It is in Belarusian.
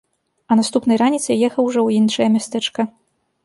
А наступнай раніцай ехаў ужо ў іншае мястэчка.